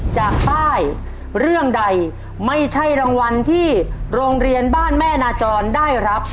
จากป้ายเรื่องใดไม่ใช่รางวัลที่โรงเรียนบ้านแม่นาจรได้รับ